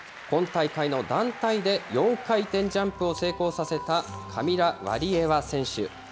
今大会の団体で４回転ジャンプを成功させたカミラ・ワリエワ選手。